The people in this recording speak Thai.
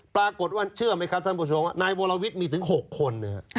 ปรากฏว่าเชื่อไหมครับท่านผู้ชมว่านายวรวิทย์มีถึง๖คน